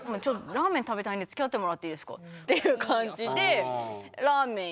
ラーメン食べたいんでつきあってもらっていいですかっていう感じで同じルートを。